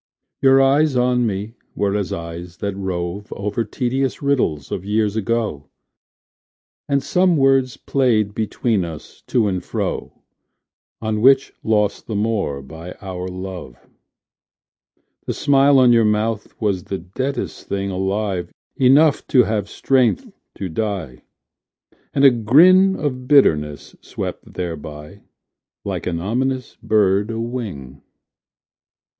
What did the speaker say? Your eyes on me were as eyes that rove Over tedious riddles of years ago; And some words played between us to and fro On which lost the more by our love. The smile on your mouth was the deadest thing Alive enough to have strength to die; And a grin of bitterness swept thereby Like an ominous bird a wing. ..